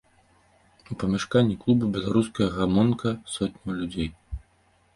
У памяшканні клубу беларуская гамонка сотняў людзей.